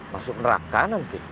masuk neraka nanti